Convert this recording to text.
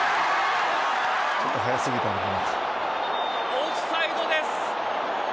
オフサイドです。